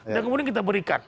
dan kemudian kita berikan